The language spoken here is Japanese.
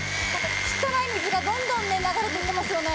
汚い水がどんどん流れていってますよね。